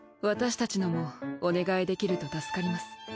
私たちのもお願いできると助かります。